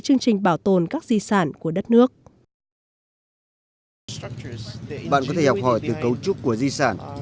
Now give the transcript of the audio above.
chương trình bảo tồn các di sản của đất nước bạn có thể học hỏi từ cấu trúc của di sản